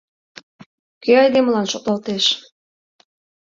Кӧ айдемылан шотлалеш?